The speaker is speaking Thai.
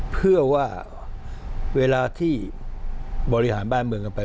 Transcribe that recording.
เพื่อว่าเวลาที่บริหารบ้านเมืองกันไป